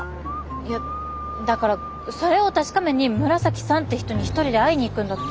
いやだからそれを確かめに紫さんって人に一人で会いに行くんだって。